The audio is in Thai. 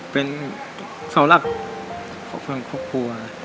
เป็นสาวรักของคนครอบครัว